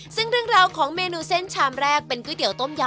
ซึ่งเรื่องราวของเมนูเส้นชามแรกเป็นก๋วยเตี๋ต้มยำ